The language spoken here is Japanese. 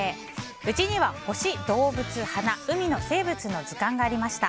うちには星、動物、花、海の生物の図鑑がありました。